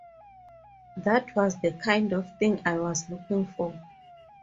That was the kind of thing I was looking for.